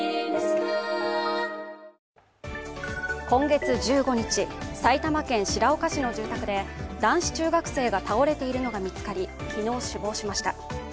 今月１５日、埼玉県白岡市の住宅で男子中学生が倒れているのが見つかり、昨日死亡しました。